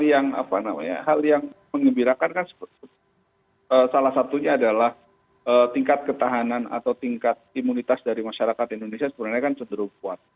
yang apa namanya hal yang mengembirakan kan salah satunya adalah tingkat ketahanan atau tingkat imunitas dari masyarakat indonesia sebenarnya kan cenderung kuat